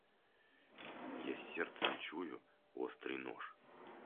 Я сердцем чую острый нож.